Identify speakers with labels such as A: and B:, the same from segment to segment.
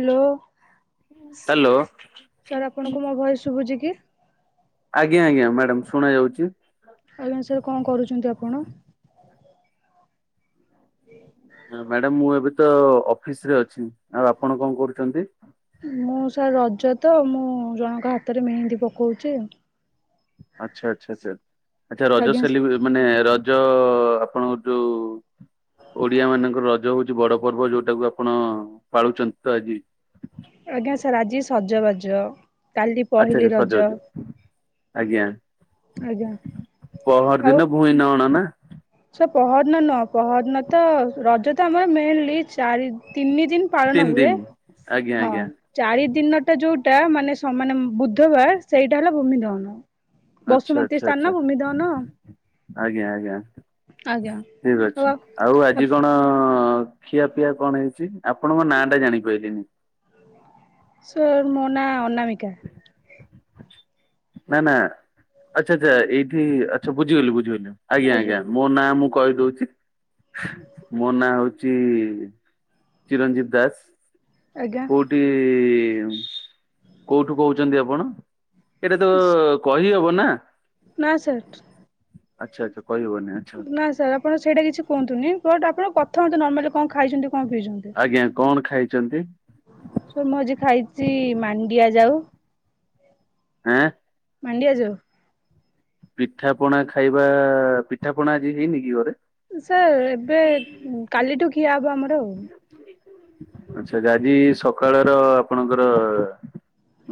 A: Hello
B: hello
A: sir ଆପଣଙ୍କୁ ମୋ voice ଶୁଭୁଛି କି?
B: ଆଜ୍ଞା, ଆଜ୍ଞା, ମ୍ୟାଡାମ ଶୁଣା ଯାଉଛି।
A: ଆଜ୍ଞା ସାର୍ କଣ କରୁଛନ୍ତି ଆପଣ?
B: ମ୍ୟାଡାମ ମୁଁ ଏବେ ତ ଅଫିସରେ ଅଛି। ଆଉ ଆପଣ କଣ କରୁଛନ୍ତି?
A: ମୁଁ ସାର୍ ରଜ ତ, ମୁଁ ଜଣଙ୍କ ହାତରେ ମେହେନ୍ଦି ପକଉଚି ଆଉ।
B: ଆଚ୍ଛା, ଆଚ୍ଛା। ଆଚ୍ଛା ରଜ
A: ଆଜ୍ଞା
B: ସେଲି ମାନେ ରଜ ଆପଣଙ୍କ ଯୋଉ ଓଡିଆ ମାନଙ୍କର ରଜ ହଉଛି ବଡ ପର୍ବ। ଯୋଉଟାକୁ ଆପଣ ପାଳୁଛନ୍ତି ତ ଆଜି।
A: ଆଜ୍ଞା ସାର୍ ଆଜି ସଜବାଜ। କାଲି
B: ଆଚ୍ଛା
A: ପହିଲି
B: ଆଚ୍ଛା
A: ରଜ,
B: ସଜବାଜ
A: ଆଜ୍ଞା।
B: ପହରଦିନ ଭୁଇଁ ନଅଣ ନା?
A: ସେ ପହରଦିନ ନହ ପହରଦିନ ତ ରଜ ତ ଆମର ମେନଲି ଚାରି ତିନି ଦିନ। ପାଳନ
B: ତିନି
A: ହୁଏ
B: ଦିନ ଆଜ୍ଞା
A: ହଁ।
B: ଆଜ୍ଞା
A: ଚାରି ଦିନ ଟା ଯୋଉଟା ମାନେ ସମାନେ ବୁଧବାର ସେଇଟା ହେଲା ଭୂମି ଦହନ।
B: ଆଚ୍ଛା ଆଚ୍ଛା
A: ବସୁମତୀ
B: ଆଚ୍ଛା
A: ସ୍ଥାନ, ଭୂମି ଦହନ।
B: ଆଜ୍ଞା, ଆଜ୍ଞା,
A: ଆଜ୍ଞା।
B: ଠିକ ଅଛି। ଆଉ ଆଜି କଣ ଖିଆ ପିଆ କଣ ହେଇଛି, ଆପଣଙ୍କ ନାଁ ଟା ଜାଣିପାରିଲିନି?
A: ସାର୍ ମୋ ନାଁ ଅନାମିକା।
B: ନା, ନା, ଆଚ୍ଛା, ଆଚ୍ଛା ଏଇଠି ଆଛା ବୁଝିଗଲି ବୁଝିଗଲି, ମ୍ୟାମ୍ ଆଜ୍ଞା, ଆଜ୍ଞା। ମୋ ନାଁ ମୁଁ କହିଦଉଛି ମୋ ନାଁ ହଉଛି। ଚିରଞ୍ଜିବ୍ ଦାସ।
A: ଆଜ୍ଞା।
B: ଟି କୋଉଠୁ କହୁଛନ୍ତି ଆପଣ। ଏଇଟା ତ କହି ହବ ନା?
A: ନା ସାର୍।
B: ଆଚ୍ଛା, ଆଚ୍ଛା, କହିିହବନି ଆଛା।
A: ନା ସାର୍ ଆପଣ ସେଇଟା କିଛି କୁହନ୍ତୁନି, ବଟ୍ ଆପଣ କଥା ହୁଅନ୍ତୁ ନର୍ମାଲି କଣ ଖାଇଛନ୍ତି, କଣ ପିଇଛନ୍ତି।
B: ଆଜ୍ଞା କଣ ଖାଇଛନ୍ତି।
A: ସାର୍ ମୁଁ ଆଜି ଖାଇଛି ମାଣ୍ଡିଆ ଯାଉ।
B: ଆଁ
A: ମାଣ୍ଡିଆଜାଉ।
B: ପିଠା ପଣା ଖାଇବା ପିଠା ପଣା ଆଜି ହେଇନି କି ଘରେ।
A: ସାର୍ ଏବେ କାଲିଠୁ ଖିଆ ହବ ଆମର ଆଉ।
B: ଆଚ୍ଛା ଆଜି ସକାଳର ଆପଣଙ୍କର।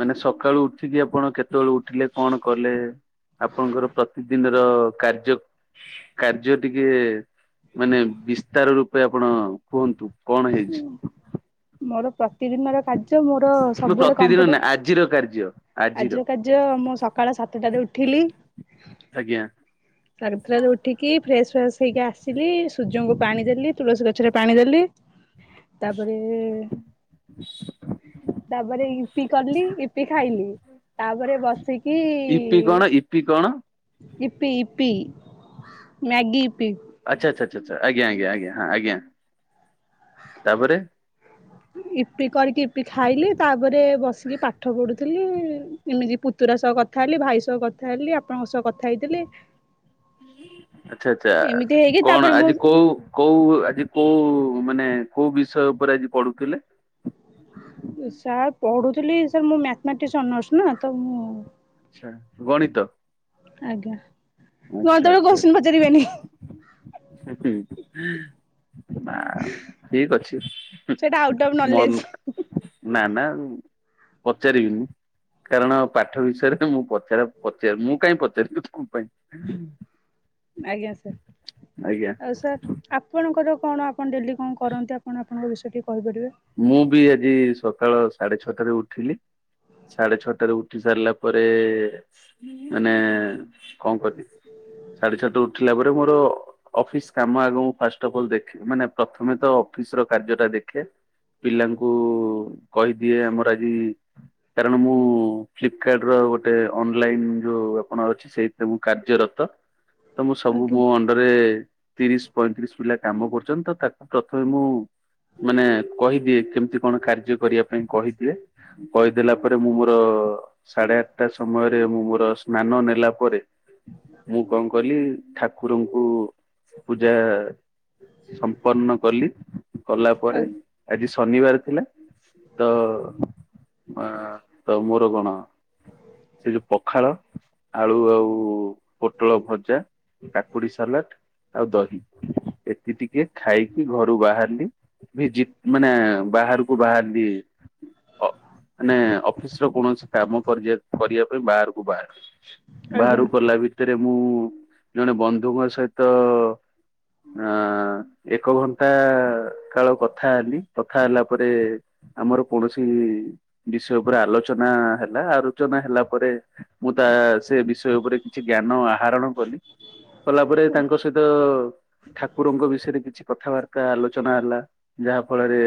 B: ମାନେ ସକାଳୁ ଉଠିକି ଆପଣ କେତେବେଳେ ଉଠିଲେ କଣ କଲେ? ଆପଣଙ୍କର ପ୍ରତିଦିନର କାର୍ଯ୍ୟ କାର୍ଯ୍ୟ ଟିକେ। ମାନେ ବିସ୍ତାର ରୂପେ ଆପଣ କୁହନ୍ତୁ କଣ ହେଇଛି?
A: ମୋର ପ୍ରତିଦିନର କାର୍ଯ୍ୟ ମୋର
B: ମୁଁ
A: ସବୁବେଳେ
B: ପ୍ରତିଦିନ ନା
A: କମ୍ପ୍ୟୁଟର।
B: ଆଜିର କାର୍ଯ୍ୟ।
A: ଆଜିର କାର୍ଯ୍ୟ ମୁଁ ସକାଳ ସାତଟାରେ ଉଠିଲି।
B: ଆଜ୍ଞା।
A: ସାତଟା ରୁ ଉଠିକି ଫ୍ରେସ ଫ୍ରେସ ହେଇକି ଆସିଲି ସୂର୍ଯ୍ୟଙ୍କୁ ପାଣି ଦେଲି ତୁଳସୀ ଗଛରେ ପାଣି ଦେଲି। ତାପରେ। ତାପରେ ଇପି କଲି ଇପି ଖାଇଲି। ତାପରେ ବସିକି।
B: ଇପି କଣ ଇପି କଣ
A: ଇପି ଇପି ମ୍ୟାଗି ଇପି।
B: ଆଛା ଆଛା ଆଛା ଆଛା ଆଜ୍ଞା ଆଜ୍ଞା ଆଜ୍ଞା ହଁ ଆଜ୍ଞା ତାପରେ।
A: ଇପି କରିକି ଇପି ଖାଇଲି ତାପରେ ବସିକି ପାଠ୍ ପାଠ ପଢ଼ୁଥିଲି ଏମିତି ପୁତୁରା ସହ କଥା ହେଲି ଭାଇ ସହ କଥା ହେଲିି ଆପଣଙ୍କ ସହ କଥା ହେଇଥିଲି।
B: ଆଛା ଆଛା
A: ଏମିତି ହେଇକି ତାପରେ
B: କଣ
A: ମୁଁ
B: ଆଜି କୋଉ। କୋଉ ଆଜି କୋଉ ମାନେ କୋଉ ବିଷୟ ଉପରେ ଆଜି ପଢୁଥିଲେ।
A: ସାର୍ ପଢ଼ୁଥିଲି ସାର୍ ମୋର ମ୍ୟାଥମେଟିକସ୍ ଅନର୍ସ ନା ତ ମୁଁ।
B: ଆଛା ଗଣିତ।
A: ଆଜ୍ଞା
B: ଆଚ୍ଛା
A: ଗଣିତ ବେଲି
B: ଆଚ୍ଛା
A: କୋଶଚିନ ପଚାରିବେନି।
B: ହୁଁ ହୁଁ। ନା ଠିକ ଅଛି
A: ସେଇଟା ଆଉଟ୍ ଅଫ୍ ନଲେଜ
B: ମନ ନା ନା ପଚାରିବିନି କାରଣ ପାଠ ବିଷୟରେ ମୁଁ ପଚ ପଚାରା ପଚରେ ମୁଁ କାହିଁ ପଚାରିବି କଁ ପାଇଁ।
A: ଆଜ୍ଞା ସାର୍।
B: ଆଜ୍ଞା।
A: ଆଉ ସାର୍ ଆପଣଙ୍କର କଣ ଆପଣ ଡେଲି କଣ କରନ୍ତି ଆପଣ ଆପଣଙ୍କ ବିଷୟ ଟିକେ କହିପାରିବେ।
B: ମୁଁ ବି ଆଜି ସକାଳ ସାଢେ ଛଅଟାରେ ଉଠିଲି। ସାଢେ ଛଅଟାରେ ଉଠି ସାରିଲା ପରେ ମାନେ କଁ‌ କଲି। ସାଢେ ଚାରଟା ଉଠିଲା ପରେ ମୋର। ଅଫିସ୍ କାମ ଆଗ ମୁ ଫାଷ୍ଟ ଅଫ୍ ଅଲ୍ ଦେଖେ ମାନେ ପ୍ରଥମେ ତ ଅଫିସ୍ ର କାର୍ଯ୍ୟଟା ଦେଖେ। ପିଲାଙ୍କୁ କହିଦିଏ ଆମର ଆଜି। କାରଣ ମୁଁ ଫ୍ଲିପ୍କାର୍ଟ ର ଗୋଟେ ଅନ୍ ଲାଇନ୍ ଯୋଉ ଆପଣ ଅଛି ସେଇଥିରେ ମୁଁ କଯ୍ୟରତ ତ ମୁଁ ସବୁ
A: ଆଜ୍ଞା।
B: ମୋ ପରେ ତିରିଶ ପଇଁତିରିଶ ପିଲା କାମ କରୁଛନ୍ତି ତ ତାକୁ ପ୍ରଥମେ ମୁଁ ମାନେ। ଦିଏ କେମତି କଣ କାର୍ଯ୍ୟ କରିବା ପାଇଁ କହିଦିଏ। କହିଦେଲା ପରେ ମୁଁ ମୋର ସାଢେ ଆଠଟା ସମୟରେ ମୁଁ ମୋର ସ୍ନାନ ନେଲା ପରେ। ମୁଁ କଣ କଲି ଠା କୁରଙ୍କୁ ପୂଜା ସମ୍ପନ୍ନ କଲି। କଲା
A: ଆ
B: ପରେ ଆଜି ଶନିବାର ଥିଲା ତ। ଆ ତ ମୋର କଣ। ସେ ଯୋଉ ପଖାଳ ଆଳୁ ଆଉ ପୋଟଳ ଭଜା। କାକୁଡି ସାଲାଟ୍। ଆଉ ଦହି ଏତିି ଟିକେ ଖାଇକି ଘରୁ ବାହାରିଲି ଭିଜି। ମାନେ ବାହାରକୁ ବାହାରଲି। ଅ ମାନେ ଅଫିସ୍ ର କୌଣସି କାମ କର୍ଯ୍ୟାତ୍ କରିବା ପାଇଁ ବାହାରକୁ ବାହାରଲି।
A: ଆଜ୍ଞା
B: ବାହାରୁ ଗଲା ଭିତେରେ ମୁଁ ଜଣେ ବନ୍ଧୁଙ୍କ ସହିତ। ଆଁ ଏକ ଘଣ୍ଟା କାଳ କ ଥା ହେଲି କଥା ହେଲା ପରେ। ଆମର କୌଣସି ବିଷୟ ଉପରେ ଆଲୋଚନା ହେଲା ଆଲୋଚନା ହେଲା ପରେ। ମୁଁ ତା ସେ ବିଷୟ ଉପରେ କିଛି ଜ୍ଞାନ ଆହରଣ କଲି। କଲା ପରେ ତାଙ୍କ ସହିତ ଠାକୁରଙ୍କ ବିଷୟରେ କିଛି କଥାବାର୍ତ୍ତା ଆଲୋଚନା ହେଲା। ଯାହା ଫଳରେ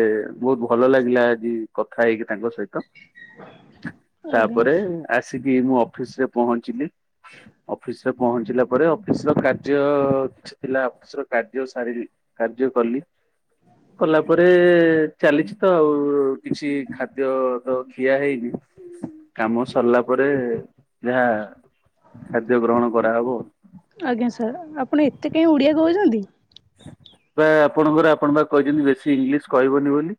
B: ବହୁତ୍ ଭଲ ଲାଗିଲା ଆଜି କଥା ହେଇକି ତାଙ୍କ ସହିତ।
A: ଆଜ୍ଞା
B: ତାପରେ ଆସିକି ମୁଁ ଅଫିସ୍ ରେ ପହଞ୍ଚିଲି। ଅଫିସ୍ ରେ ପହଞ୍ଚିଲା ପରେ ଅଫିସ୍ ର କାର୍ଯ୍ୟ। ଥିଲା ଅଫିସ୍ର କାର୍ଯ୍ୟ ସାରିଲି କାର୍ଯ୍ୟ କଲି। କଲା ପରେ ଚାଲିଛି ତ ଆଉ କିଛି ଖାଦ୍ୟ ତ ଖିଆ ହେଇନି। କାମ ସରିଲା ପରେ ଯାହା ଖାଦ୍ୟ ଗ୍ରହଣ କରାହବ।
A: ଆଜ୍ଞା ସାର୍ ଆପଣ ଏତେ କାହିଁ ଓଡ଼ିଆ କହୁଛନ୍ତି?
B: ପ୍ରାୟେ ଆପଣ ପରା ଆପଣ ପା କହିଛନ୍ତି ବେଶୀ ଇଂଲିଶ୍ କହିବନି ବୋଲି।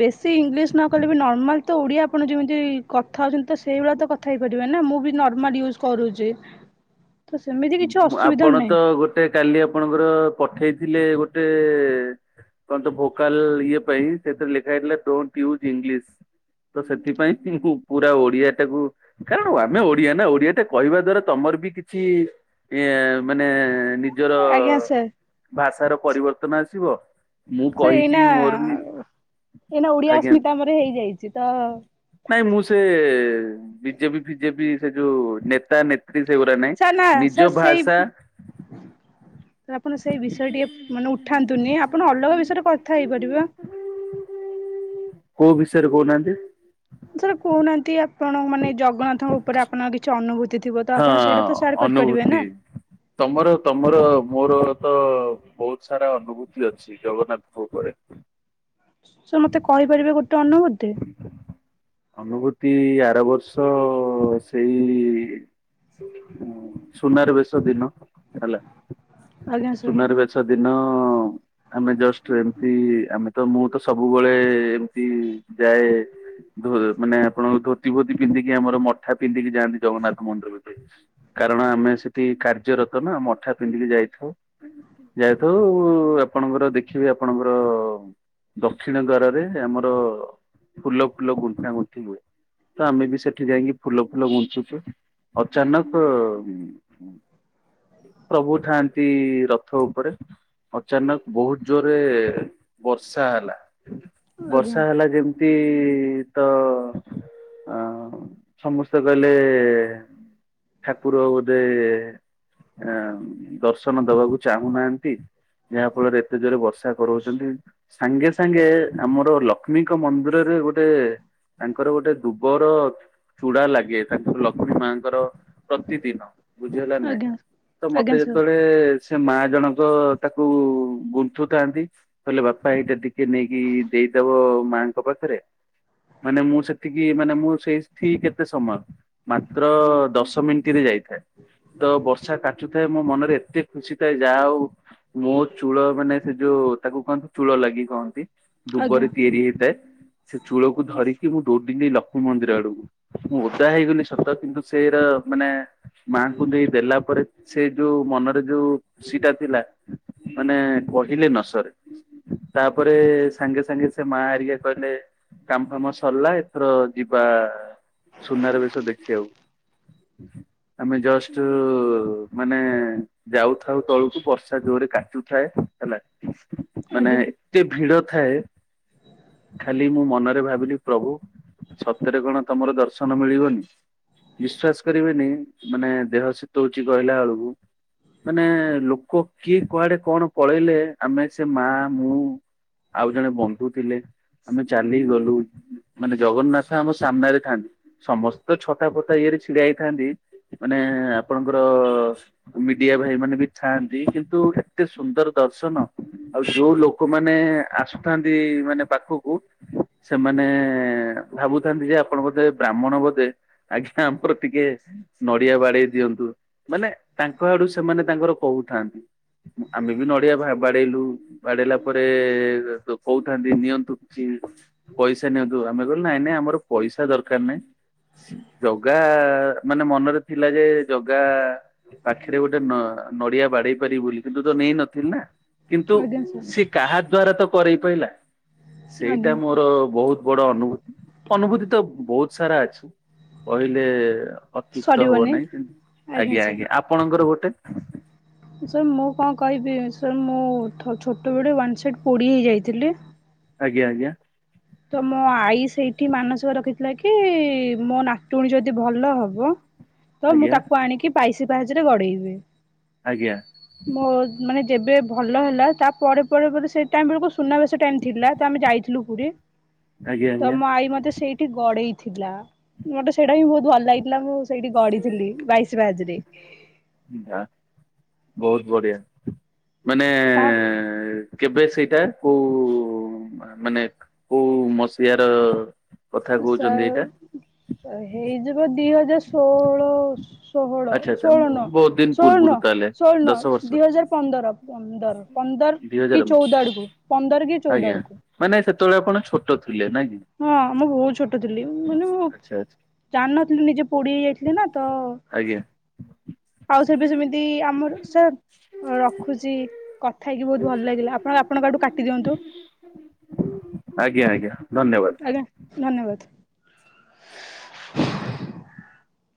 A: ବେଶୀ ଇଂଲିଶ୍ ନ କହିଲେ ବି ନର୍ମାଲ ତ ଓଡିଆ ଆପଣ ଯେମିତି କଥା ହଉଛନ୍ତି ତ ସେଇଭଳିଆ ତ କ ଥା ହୋଇପାରିବେ ନା ମୁଁ ବି ନର୍ମାଲ ୟୁଜ୍ କରୁଚି।
B: ଆପଣ
A: ନାହିଁ।
B: ତ ଗୋଟେ କାଲି ଆପଣଙ୍କର ପଠେଇଥିଲେ ଗୋଟେ। କଣ ତ ଭୋକାଲ୍ ଇଏ ପାଇଁ ସେଥିରେ ଲେଖା ହେଇଥିଲା ଡୋଣ୍ଟ୍ ୟୁଜ୍ ଇଂଲିଶ୍। ତ ସେଥିପାଇଁ ମୁହୁଁ ପୁରା ଓଡିଆ ଟାକୁ। କାରଣ ଆମେ ଓଡିଆ ନା ଓଡିଆ ଟା କହିବା ଦ୍ଵାରା ତମର ବି କିଛି। ଇଏ ମାନେ ନିଜର
A: ଆଜ୍ଞା ସାର୍
B: ଭାଷାର ପରିବର୍ତ୍ତନ ଆସିବ। ମୁଁ
A: ସାର୍
B: କହିକି
A: ଏଇନା
B: ବି ମୋର ବି
A: ଏଇନା ଓଡିଆ
B: ଆଜ୍ଞା।
A: ସ୍ମିତା ମର ହେଇଯାଇଛି ତ।
B: ନାଇଁ ମୁଁ ସେ ବିଜେପି ଫିଜେପି ସେ ଯୋଉ ନେତା ନେତ୍ରୀ ସେଗୁରା ନାଇଁ।
A: ସାର୍ ନା
B: ନିଜ
A: ସାର୍ ସେଇ
B: ଭାଷା।
A: ଆପଣ ସେଇ ବିଷୟ ଟିକେ ମାନେ ଉଠାନ୍ତୁନି ଆପଣ ଅଲଗା ବିଷୟରେ କଥା ହେଇପାରିବା।
B: କୋଉ ବିଷୟରେ କହୁନାହାନ୍ତି?
A: ସାର୍ କହୁନାହାନ୍ତି ଆପଣ ମାନେ ଜଗନ୍ନାଥଙ୍କ ଉପରେ ଆ ଆପଣଙ୍କ କିଛି ଅନୁଭୂତି ଥିବତ ଆପଣ
B: ହଁ
A: ସେଇଟାତ ସେୟାର
B: ଅନୁଭୂତି।
A: କରିପାରିବେନା?
B: ତମର ତମର ମୋରତ ବହୁତ୍ ସାରା ଅନୁଭୂତି ଅଛି। ଶ୍ରୀ ଜଗନ୍ନାଥଙ୍କ ଉପରେ।
A: ସାର୍ ମତେ କହିପାରିବେ ଗୋଟେ ଅନ୍ ଅନୁଭୂତି?
B: ଅନୁଭୂତି ଆର ବର୍ଷ ସେଇ ସୁନାର ବେଶ ଦିନ ହେଲା
A: ଆଜ୍ଞା ସାର୍
B: ସୁନାର ବେ ସେଦିନ ଆମେ ଜଷ୍ଟ ଏମିତି ଆମେତ ମୁଁତ ସବୁବେଳେ ଏମିତି ଯାଏ ଧୋ ମାନେ ଆପଣ ଧୋତି ଫୋତି ପିନ୍ଧିକି ଆମର ମଠା ପିନ୍ଧିକି ଯାଆନ୍ତି ଜଗନ୍ନାଥଙ୍କ ମନ୍ଦିର ଭିତ କାରଣ ଆମେ ସେଠି କାର୍ଯ୍ୟରତନା ମଠା ପିନ୍ଧିକି ଯାଇଥାଉ ଯାଇଥାଉ ଆପଣଙ୍କର ଦେଖିବି ଆପଣଙ୍କର ଦକ୍ଷିଣ ଦ୍ଵାରରେ ଆମର ଫୁଲ ଫୁଲ ଗୁଣ୍ଥା ଗୁଣ୍ଥି ହୁଏ ତ ଆମେବି ସେଠି ଯାଇକି ଫୁଲ ଫୁଲ ବୁଞ୍ଚୁଛୁ ଅଚନାକ୍ ଉ-ଉ ପ୍ରଭୁ ଥାଆନ୍ତି ରଥ ଉପରେ ଅଚାନକ ବହୁତ୍ ଜୋରେ ବର୍ଷା ହେଲା
A: ଆଜ୍ଞା
B: ବର୍ଷା ହେଲା ଯେମି ତି ତ ଅଁ ସମସ୍ତେ କହିଲେ ଠାକୁର ବୋଧେ ଏ ଦର୍ଶନ ଦବାକୁ ଚାହୁଁନାହାନ୍ତି ଯାହା ଫଳରେ ଏତେ ଜୋରେ ବର୍ଷା କରଉଚନ୍ତି ସାଙ୍ଗେ ସାଙ୍ଗେ ଆମର ଲକ୍ଷ୍ମୀଙ୍କ ମନ୍ଦିର ରେ ଗୋଟେ ତାଙ୍କର ଗୋଟେ ଦୁବର ଚୁଡ଼ା ଲାଗେ ତାଙ୍କର ଲକ୍ଷ୍ମୀ ମାଙ୍କର ପ୍ରତିଦିନ ବୁଝିହେଲାକି ନାଇଁ
A: ଆଜ୍ଞା ଆଜ୍ଞା
B: ତମତେ
A: ସାର୍
B: ଯେତେବେଳେ ସେ ମା ଜଣଙ୍କ ତାକୁ ଗୁନ୍ଥୁଥାଆନ୍ତି କହଲେ ବାପା ଏଇଟା ଟିକେ ନେଇକି ଦେଇଦବ ମାଆଙ୍କ ପାଖରେ ମାନେ ମୁଁ ସେତିକି ମାନେ ମୁଁ ସେଇଠି କେତେ ସମୟ ମାତ୍ର ଦଶ ମିନିଟରେ ଯାଇଥାଏ ତ ବର୍ଷା କାଚୁଥାଏ ମୋ ମନରେ ଏତେ ଖୁସି ଥାଏ ଯାହାହଉ ମୋ ଚୂଳ ମାନେ ସେଯୋଉ ତାକୁ କୁହନ୍ତି ଚୂଳ ଲାଗି କହନ୍ତି
A: ଆଜ୍ଞା
B: ଦୁବରେ ତିଆରି ହେଇଥାଏ ସେ ଚୂଳକୁ ଧରିକି ମୁଁ ଦୋଉଡ଼ିନି ଲକ୍ଷ୍ମୀ ମନ୍ଦିର ଆଡ଼କୁ ମୁଁ ଓଦା ହେଇଗନି ସତ କିନ୍ତୁ ସେଇର ମାନେ ମାଙ୍କୁ ନେଇ ଦେଲା ପରେ ସେଯୋଉ ମନରେ ଯୋଉ ଖୁସିଟା ଥିଲା ମାନେ କହିଲେ ନସରେ ତାପରେ ସାଙ୍ଗେ ସାଙ୍ଗେ ସେ ମା ହେରୀକା କହିଲେ କାମ ଫାମ ସରିଲା ଏଥର ଯିବା ସୁନାର ବେଶଦେଖିବାକୁ ଆମେ ଜଷ୍ଟ ମାନେ ଯାଉଥାଉ ତଳକୁ ବର୍ଷା ଜୋରେ କାଚୁଥାଏ ହେଲା ମାନେ
A: ଆଜ୍ଞା
B: ଏତେ ଭିଡ଼ ଥାଏ ଖାଲି ମୁଁ ମନରେ ଭାବିଲି ପ୍ରଭୁ ସତରେ କଣ ତମର ଦର୍ଶନ ମିଳିବନି? ବିଶ୍ଵାସ କରିବେନି ମାନେ ଦେହ ଶୀତଉଚ କହିଲା ବେଳକୁ ମାନେ ଲୋକ କିଏ କୁଆଡେ଼ କଣ ପଳେଇଲେ ଆମେ ସେ ମା ମୁଁ ଆଉ ଜଣେ ବନ୍ଧୁ ଥିଲେ ଆମେ ଚାଲିକି ଗଲୁ ମାନେ ଜଗନ୍ନାଥ ଆମ ସାମ୍ନାରେ ଥାଆନ୍ତି ସମସ୍ତେ ଛତା ଫତା ଇଏରେ ଛିଡ଼ା ହେଇଥାଆନ୍ତି ମାନେ ଆପଣଙ୍କର ମିଡିଆ ଭାଇ ମାନେ ବି ଥାଆନ୍ତି କିନ୍ତୁ! ଏତେ ସୁନ୍ଦର ଦର୍ଶନ ଆଉ ଯୋଉ ଲୋକମାନୋନ ଆସୁଥାନ୍ତି ମାନେ ପାଖକୁ ସେମାନେ ଭାବୁଥାନ୍ତି ଯେ ଆପଣ ବୋଧେ ବ୍ରାହ୍ମଣ ବୋଧେ? ଆଜ୍ଞା ଆପଣ ଟିକେ ନଡିଆ ବାଡେଇ ଦିଅନ୍ତୁ ମାନେ ତାଙ୍କ ଆଡୁ ସେମାନେ ତାଙ୍କର କହୁଥାନ୍ତି। ଆମେ ବି ନଡିଆ ବାଡେଇଲୁ ବାଡେଇଲା ପରେ କଉଥାନ୍ତି ନିଅ କିଛି ପଇସା ନିଅନ୍ତୁ ଆମେ କହିଲୁ ନାଇଁ ନାଇଁ ଆମର ପଇସା ଦରକାର ନାଇଁ। ଜଗା ମାନେ ମନରେ ଥିଲା ଯେ ଜଗା ପାଖିରେ ଗୋଟେ ନ ନଡିଆ ବାଡେଇ ପାରିବି ବୋଲି କିନ୍ତୁ ତ ନେଇନଥିଲି ନା। କିନ୍ତୁ
A: ଆଜ୍ଞା ସାର୍
B: ସେ କାହା ଦ୍ଵାରା ତ କରେଇ ପାରିଲା। ସେଇଟା
A: ଆଜ୍ଞା
B: ମୋର ବହୁତ ବଡ ଅନୁ ଅନୁଭୂତି ତ ବହୁତ ସାରା ଅଛି କହିଲେ ଅତ୍ୟୁକ୍ତ
A: ସରିବନି
B: ହେବନାହିଁ ଆଜ୍ଞା ଆଜ୍ଞା ଆପଣର ଗୋଟେ
A: ସାର୍ ମୁଁ କଣ କହିବି ସାର୍ ମୁଁ ଥ ଛୋଟ ବେଳୁ ୱାନ୍ସାଇଡ଼ ପୋଡିହେଇଯାଇଥିଲି।
B: ଆଜ୍ଞା ଆଜ୍ଞା।
A: ତ ମୋ ଆଈ ସେଇଠି ମାନସିକ ରଖିଥିଲା କି ମୋ ନାତୁଣୀ ଯଦି ଭଲ ହବ ତ ମୁଁ
B: ଆଜ୍ଞା
A: ତାକୁ ଆଣିକି ବାଇସି ପାହାଚ଼ରେ ଗଡ଼େଇବି।
B: ଆଜ୍ଞା।
A: ମୋ ମାନେ ଯେବେ ଭଲ ହେଲା ତା ପରେ ପରେ ପରେ ସେ ଟାଇମ୍ ବେଳକୁ ସୁନାବେସ ଟାଇମ୍ ଥିଲା। ତ ଆମେ ଯାଇଥିଲୁ ପୁରୀ
B: ଆଜ୍ଞା ଆଜ୍ଞା।
A: ତ ମ ଆଈ ମୋତେ ସେଇଠି ଗଡେଇ ଥିଲା ମତେ ସେଇଟା ହିଁ ବହୁତ ଭଲ ଲାଗିଥିଲା ମୁଁ ସେଇଠି ଗଡିଥିଲି ବାଇଶି ପାହାଚରେ।
B: ବହୁତ ବଢିଆ ମାନେ
A: ତା
B: କେବେ ସେଇଟା କୋଉ ମାନେ କୋଉ ମସିଆ ର? କଥା
A: ସା
B: କୋହୁଛନ୍ତି ଏଇଟା?
A: ହେଇଯିବ ଦି ହଜାର ଷୋହଳ ଷୋହଳ
B: ଆଚ୍ଛା ଆଚ୍ଛା
A: ଷୋଳ ନୁହଁ
B: ବହୁତ ଦିନ
A: ଷୋହଳ
B: ପୂର୍ବରୁ
A: ନୁହଁ
B: ତାହେଲେ
A: ଷୋଳ
B: ଦଶ ବର୍ଷ
A: ନୁହଁ ଦୁଇହଜାର ପନ୍ଦର। ପନ୍ଦର ପନ୍ଦର
B: ଦି ହଜାର
A: କି ଚଉଦ ଆଡକୁ ପନ୍ଦର କି ଚଉଦ
B: ଆଜ୍ଞା
A: ଆଡକୁ।
B: ମାନେ ସେତେବେଳେ ଆପଣ ଛୋଟ ଥିଲେ ନାଁ କି?
A: ହଁ ମୁଁ ବହୁତ ଛୋଟ ଥିଲି ମାନେ ମୁଁ
B: ଆଚ୍ଛା ଆଚ୍ଛା
A: ଜାଣିନଥିଲି ନିଜେ ପୋଡି ହେଇ ଯାଇଥିଲି ନା ତ
B: ଆଜ୍ଞା।
A: ଆଉ ସେବେ ସେମିତି ଆମର ସାର୍ ରଖୁଛି କଥା ହେଇକି ବହୁତ ଭଲ ଲାଗିଲା ଆପଣ ଆପଣଙ୍କ ଆଡୁ କାଟି ଦିଅନ୍ତୁ।
B: ଆଜ୍ଞା ଆଜ୍ଞା ଧନ୍ୟବାଦ୍।
A: ଧନ୍ୟବାଦ୍।